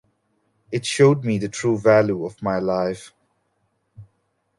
It showed me the true value of my life.